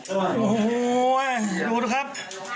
โอ๊ยดูครับ